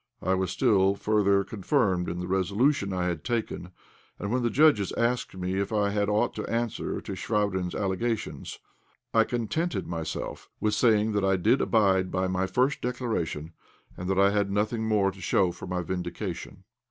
I was still further confirmed in the resolution I had taken, and when the judges asked me if I had aught to answer to Chvabrine's allegations, I contented myself with saying that I did abide by my first declaration, and that I had nothing more to show for my vindication.